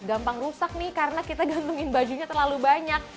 gampang rusak nih karena kita gantungin bajunya terlalu banyak